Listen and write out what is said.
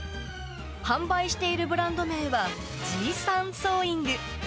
販売しているブランド名は、Ｇ３ソーイング。